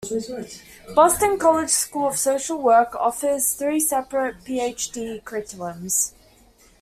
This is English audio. Boston College School of Social Work offers three separate PhD curriculums.